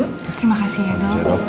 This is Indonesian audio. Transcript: terima kasih ya dok